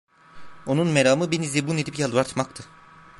Onun meramı beni zebun edip yalvartmaktı.